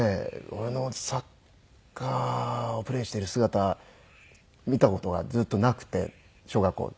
俺のサッカーをプレーしている姿見た事がずっとなくて小学校中学校。